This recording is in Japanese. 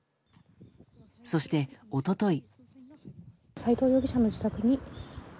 そして、一昨日。